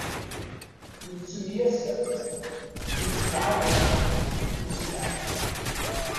Nettemyasam, nettemɛawan, nettnaɣ.